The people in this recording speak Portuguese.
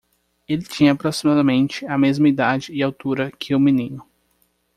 Ele tinha aproximadamente a mesma idade e altura que o menino.